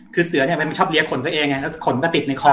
คือเสือเนี่ยมันชอบเลี้ยขนตัวเองไงแล้วขนก็ติดในคอ